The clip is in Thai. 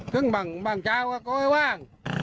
ตั้งบางชาวก็เอาไว้ว่าง